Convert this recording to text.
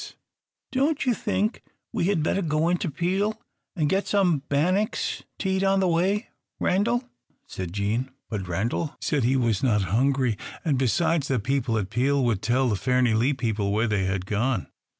[Illustration: Page 265] "Don't you think we had better go into Peel, and get some bannocks to eat on the way, Randal?" said Jean. But Randal said he was not hungry; and, besides, the people at Peel would tell the Fairnilee people where they had gone.